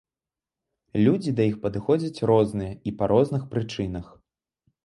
Людзі да іх падыходзяць розныя і па розных прычынах.